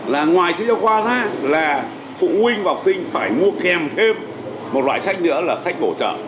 là ngoài sách giáo khoa ra là phụ huynh học sinh phải mua kèm thêm một loại sách nữa là sách bổ trợ